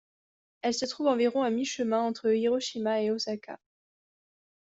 Elle se trouve environ à mi-chemin entre Hiroshima et Ōsaka.